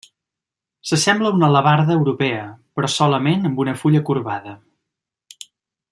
S'assembla a una alabarda europea, però, solament amb una fulla corbada.